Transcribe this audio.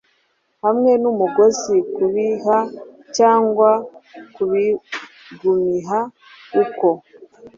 hamwe n'umugozi kubihiha, cyangwa kubigumiha uko